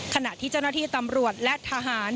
ขณะที่เจ้าหน้าที่ตำรวจและทหาร